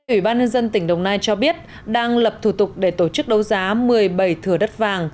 ủy ban nhân dân tỉnh đồng nai cho biết đang lập thủ tục để tổ chức đấu giá một mươi bảy thửa đất vàng